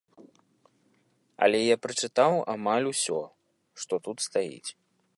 Але я прачытаў амаль усё, што тут стаіць.